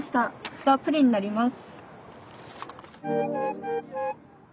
スタープリンになります。